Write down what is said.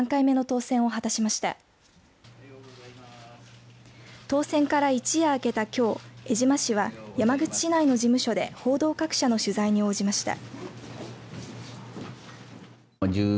当選から一夜明けたきょう江島氏は山口市内の事務所で報道各社の取材に応じました。